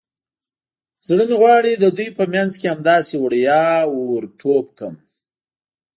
زړه مې غواړي د دوی په منځ کې همداسې وړیا ور ټوپ کړم.